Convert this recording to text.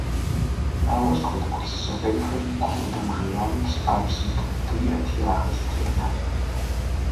Ауэ сыт хуэдэ гупсысэ фӏейхэр и гум къыдэмыжеями, псэ къабзэ быдэ иӏэти, ахэр зэтрикъутэрт.